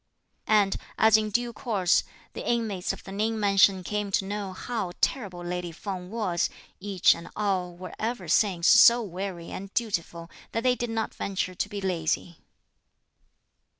And, as in due course, the inmates of the Ning mansion came to know how terrible lady Feng was, each and all were ever since so wary and dutiful that they did not venture to be lazy.